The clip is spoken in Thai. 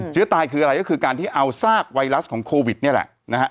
เชื้อตายคืออะไรก็คือการที่เอาซากไวรัสของโควิดนี่แหละนะฮะ